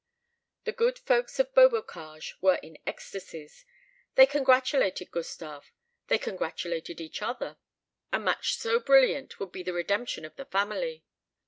The good folks of Beaubocage were in ecstacies. They congratulated Gustave they congratulated each other. A match so brilliant would be the redemption of the family.